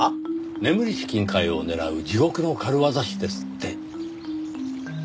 眠りし金塊を狙う地獄の軽業師ですって。